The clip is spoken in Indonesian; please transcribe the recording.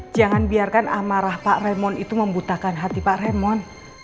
jangan biarkan amarah pak remon itu membutakan hati pak remon